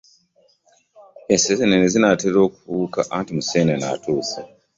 Enseenene zinaatera okubuuka anti museenene atuuse.